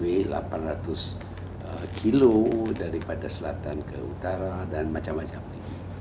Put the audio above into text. sebab itu kita dapat binang expressway delapan ratus kilo daripada selatan ke utara dan macam macam lagi